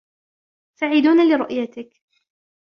سعيدون لرؤيتك.